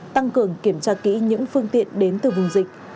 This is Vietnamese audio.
tăng cường kiểm tra kỹ những phương tiện đến từ vùng dịch